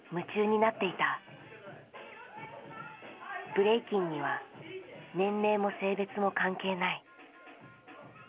ブレイキンには年齢も性別も関係ない。